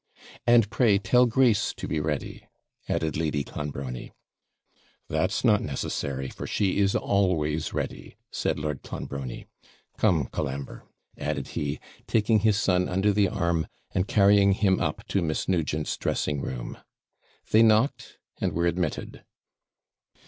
'And pray tell Grace to be ready,' added Lady Clonbrony. 'That's not necessary; for she is always ready,' said Lord Clonbrony. 'Come, Colambre,' added he, taking his son under the arm, and carrying him up to Miss Nugent's dressing room. They knocked, and were admitted.